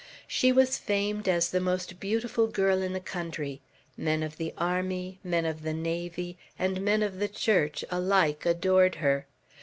She was famed as the most beautiful girl in the country. Men of the army, men of the navy, and men of the Church, alike adored her.